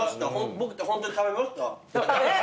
僕ってホントに食べました？